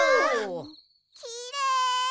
きれい！